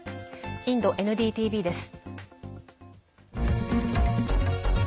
インドＮＤＴＶです。